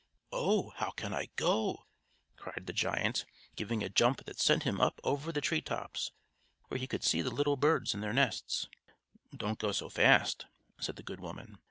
"Oh! how can I go?" cried the giant, giving a jump that sent him up over the tree tops, where he could see the little birds in their nests. "Don't go so fast," said the good woman.